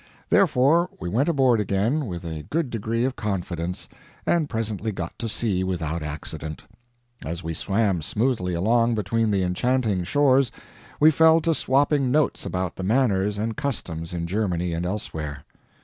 Therefore we went aboard again with a good degree of confidence, and presently got to sea without accident. As we swam smoothly along between the enchanting shores, we fell to swapping notes about manners and customs in Germany and elsewhere.